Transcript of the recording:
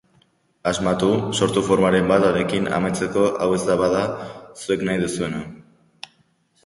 Asmatu, sortu formaren bat honekin amaitzeko hau ez bada zuek nahi duzuena.